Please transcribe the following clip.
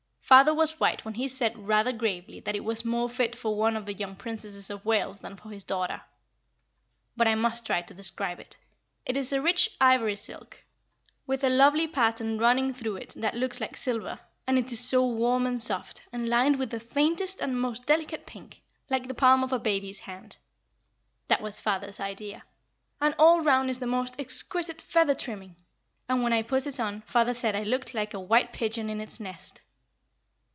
Father was right when he said rather gravely that it was more fit for one of the young Princesses of Wales than for his daughter. "But I must try to describe it. It is a rich ivory silk, with a lovely pattern running through it that looks like silver, and it is so warm and soft, and lined with the faintest and most delicate pink, like the palm of a baby's hand that was father's idea; and all round is the most exquisite feather trimming. And when I put it on, father said I looked like a white pigeon in its nest.